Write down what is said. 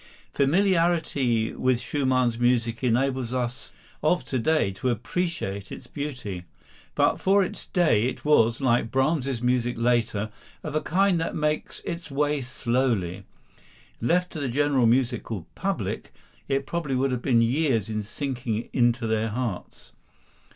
Familiarity with Schumann's music enables us of to day to appreciate its beauty. But for its day it was, like Brahms' music later, of a kind that makes its way slowly. Left to the general musical public, it probably would have been years in sinking into their hearts.